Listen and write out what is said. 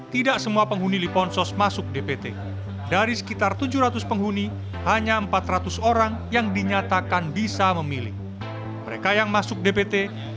tidak semua penghuni liponsos masuk dpt